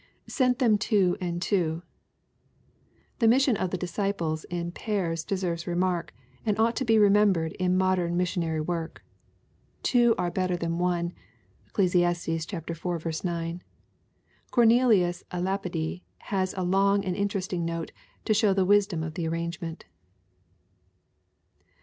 [Sent them two and two^ The mission of the disciples in pairs deserves remark, and ought to be remembered in modern mission ary work. " Two are bef :ter than one." (Eccles. iv. 9.) Corneliui el. Lapide has a long and interesting note, to show the wisdom of the arrangement.